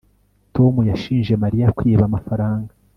tom yashinje mariya kwiba amafaranga